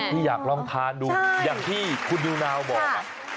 ที่อยากลองทานดูอย่างที่คุณนิวนาวบอก